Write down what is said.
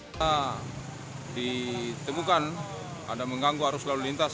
ada ditemukan ada mengganggu arus lalu lintas